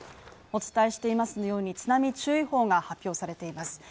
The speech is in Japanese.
お伝えしていますように津波注意報が発表されています。